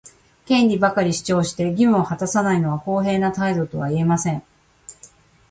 権利ばかり主張して、義務を果たさないのは公平な態度とは言えません。